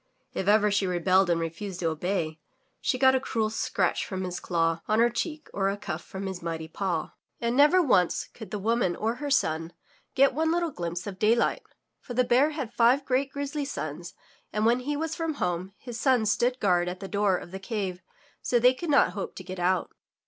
If ever she rebelled and refused to obey, she got a cruel scratch from his claw on her cheek or a cuff from his mighty paw. And never 165 MY BOOK HOUSE once could the woman or her son get one little glimpse of day light, for the Bear had five great grizzly sons and when he was from home, his sons stood guard at the door of the cave so they could not hope to get out.